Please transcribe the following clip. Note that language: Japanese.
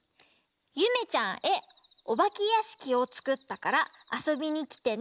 「ゆめちゃんへおばけやしきをつくったからあそびにきてね。